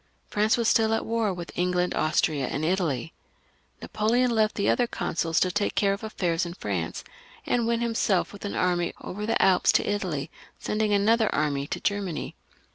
France was still at war with England, Austria, and Italy. Napoleon left the other consuls to take care of affairs in France, and went himself with an army over the Alps to Italy, sending another army to Germany.